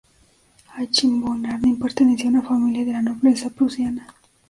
Achim von Arnim pertenecía a una familia de la nobleza prusiana.